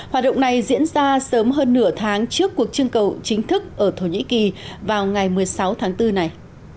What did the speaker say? hoạt động này diễn ra sớm hơn nửa tháng trước cuộc trưng cầu chính thức ở thổ nhĩ kỳ vào ngày một mươi sáu tháng bốn này